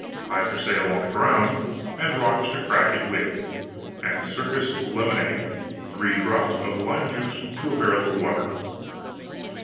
Pie for sale on the grounds, and rocks to crack it with; and ciRcus lemonade—three drops of lime juice to a barrel of water.